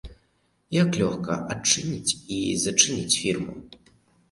Як лёгка адчыніць і зачыніць фірму.